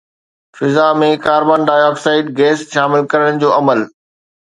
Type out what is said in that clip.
فضا ۾ carbon dioxide gas شامل ڪرڻ جو عمل